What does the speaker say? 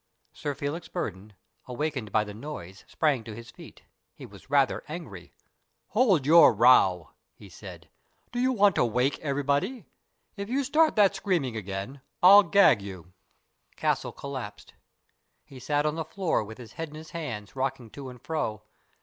Sir Felix Burdon, awakened by the noise, sprang to his feet. He was rather angry. " Hold your row," he said. " D'you want to wake everybody? If you start that screaming again, I'll gag you." 92 STORIES IN GREY Castle collapsed. He sat on the floor, with his head in his hands, rocking to and fro.